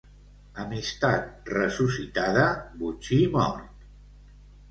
Amistat ressuscitada, botxí mort.